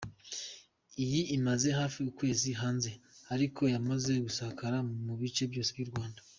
Iyi imaze hafi ukwezi hanze ariko yamaze gusakara mu bice byose by’u Rwanda.